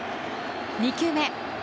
２球目。